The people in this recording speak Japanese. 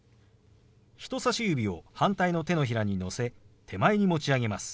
人さし指を反対の手のひらにのせ手前に持ち上げます。